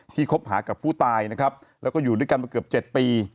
คบหากับผู้ตายนะครับแล้วก็อยู่ด้วยกันมาเกือบ๗ปี